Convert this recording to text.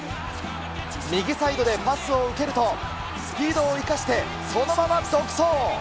右サイドでパスを受けると、スピードを生かして、そのまま独走。